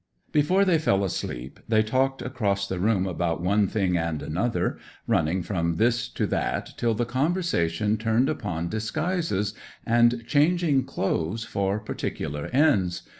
'Before they fell asleep they talked across the room about one thing and another, running from this to that till the conversation turned upon disguises, and changing clothes for particular ends.